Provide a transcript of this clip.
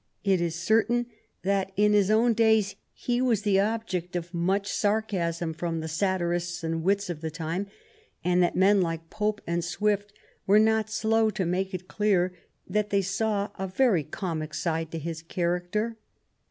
It 19 THE REIGN OF QUEEN ANNE is certain that in his own days he was the object of much sarcasm from the satirists and wits of the time, and that men like Pope and Swift were not slow to make it clear that they saw a very comic side to his character.